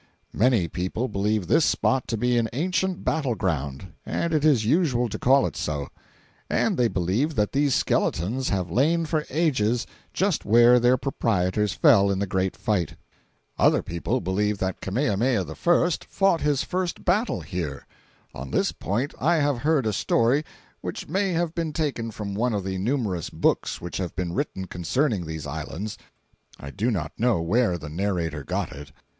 Many people believe this spot to be an ancient battle ground, and it is usual to call it so; and they believe that these skeletons have lain for ages just where their proprietors fell in the great fight. Other people believe that Kamehameha I. fought his first battle here. On this point, I have heard a story, which may have been taken from one of the numerous books which have been written concerning these islands—I do not know where the narrator got it.